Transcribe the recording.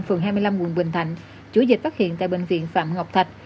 phường hai mươi năm quận bình thạnh chủ dịch phát hiện tại bệnh viện phạm ngọc thạch